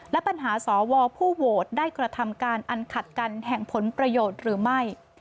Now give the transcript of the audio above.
และปัญหาสวผู้โหวตได้กระทำการอันขัดกันแห่งผลประโยชน์หรือไม่